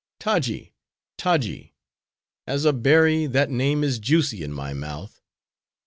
Taji! Taji!— as a berry, that name is juicy in my mouth!